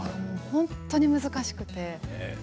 本当に難しくて。